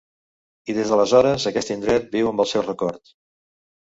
I des d'aleshores aquest indret viu amb el seu record.